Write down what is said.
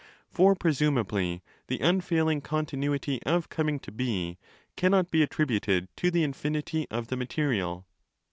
For, presumably, the unfailing continuity of coming to be cannot be attributed to the infinity of the 20 material.